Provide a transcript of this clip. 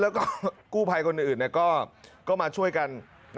แล้วก็กู้ภัยคนอื่นก็มาช่วยกัน